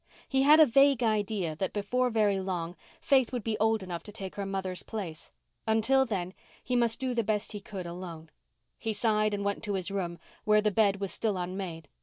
He had a vague idea that before very long Faith would be old enough to take her mother's place. Until then, he must do the best he could alone. He sighed and went to his room, where the bed was still unmade.